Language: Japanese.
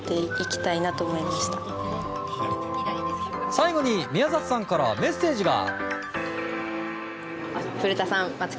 最後に宮里さんからメッセージが。